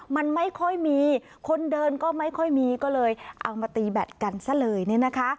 มันไม่ค่อยมีคนเดินก็ไม่ค่อยมีก็เลยเอามาตีแบตกันซะเลยเนี่ยนะคะ